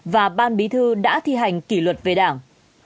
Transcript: và ban bí thư đã thi hành kỷ luật về đảng